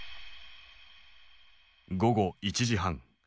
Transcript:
午後１時半。